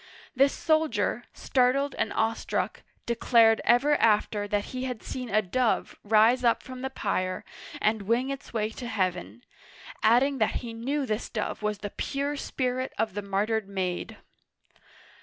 This soldier, startled and awestruck, declared ever after that he had seen a dove rise up from the pyre and wing its way to heaven, adding that he knew this dove was the pure spirit of the martyred maid